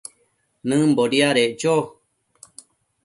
nëmbo diadeccho